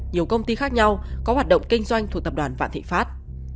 nhiều công ty khác nhau có hoạt động kinh doanh thuộc tập đoàn vạn thị pháp